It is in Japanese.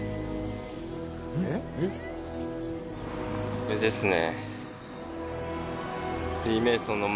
これですね。